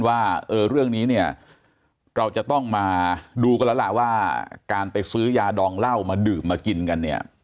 ว่าเรื่องนี้เนี่ยเราจะต้องมาดูกันแล้วล่ะว่าการไปซื้อยาดองเหล้ามาดื่มมากินกันเนี่ย